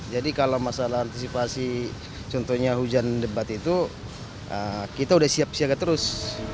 jadi kalau masalah antisipasi contohnya hujan debat itu kita sudah siap siaga terus